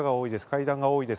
階段がおおいです。